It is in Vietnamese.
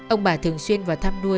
ông bà thường xuyên vào thăm nuôi